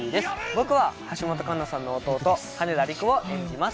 僕は橋本環奈さんの弟羽田陸を演じます